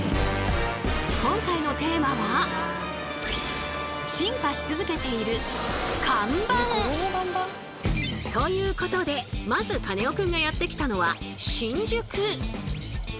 今回のテーマはということでまずカネオくんがやって来たのは新宿。